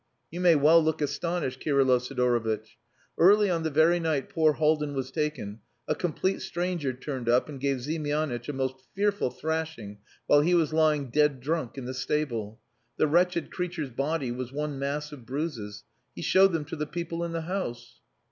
You may well look astonished, Kirylo Sidorovitch. Early on the very night poor Haldin was taken, a complete stranger turned up and gave Ziemianitch a most fearful thrashing while he was lying dead drunk in the stable. The wretched creature's body was one mass of bruises. He showed them to the people in the house."